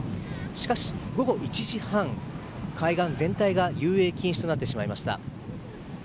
しかし午後１時半、海岸全体が遊泳禁止となってしまいました。